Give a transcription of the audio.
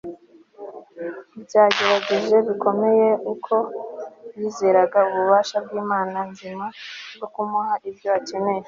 byagerageje bikomeye uko yizeraga ububasha bwImana nzima bwo kumuha ibyo akennye